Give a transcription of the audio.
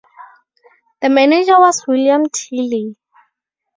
The manager was William Tiley.